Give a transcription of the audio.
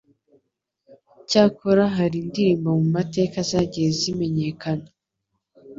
Cyakora hari indirimbo mu mateka zagiye zimenyekana